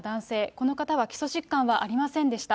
この方は基礎疾患はありませんでした。